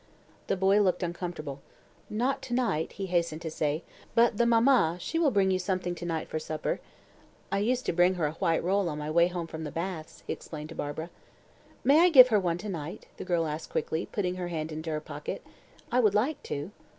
The boy looked uncomfortable. "Not to night," he hastened to say, "but the mama, she will bring you something to night for supper. I used to bring her a white roll on my way home from the baths," he explained to Barbara. "May I give her one to night?" the girl asked quickly, putting her hand into her pocket. "I would like to."